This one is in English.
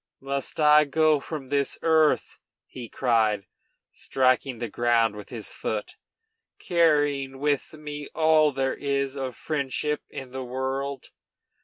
Must I go from this earth," he cried, striking the ground with his foot, "carrying with me all there is of friendship in the world?